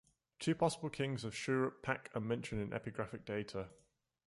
Two possible kings of Shuruppak are mentioned in epigraphic data.